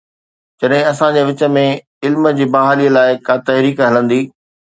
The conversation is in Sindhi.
جڏهن اسان جي وچ ۾ علم جي بحاليءَ لاءِ ڪا تحريڪ هلندي.